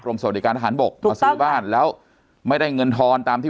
สวัสดีการทหารบกมาซื้อบ้านแล้วไม่ได้เงินทอนตามที่